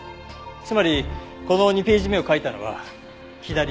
つまりこの２ページ目を書いたのは左利きの人。